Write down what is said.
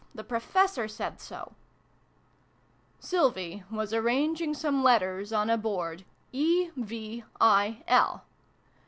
The Professor said so !" Sylvie was arranging some letters on a board E V I L.